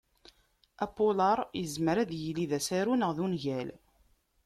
Apulaṛ yezmer ad yili d asaru neɣ d ungal.